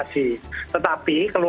ya sudah tahu mengapa